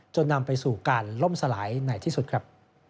นำไปสู่การล่มสลายในที่สุดครับ